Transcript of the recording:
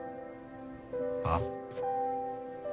あっ？